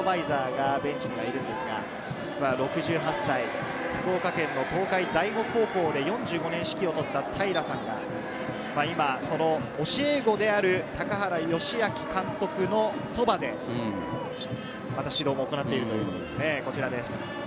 平清孝ゼネラルアドバイザーがベンチにはいるんですが、６８歳、福岡県の東海第五高校で４５年指揮を執った平さんが、今、教え子である高原良明監督のそばでまた指導を行っているということです。